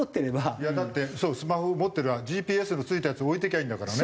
いやだってそうスマホを持ってればＧＰＳの付いたやつを置いていきゃいいんだからね。